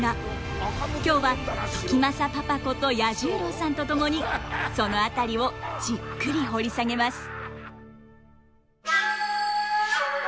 今日は時政パパこと彌十郎さんと共にその辺りをじっくり掘り下げます。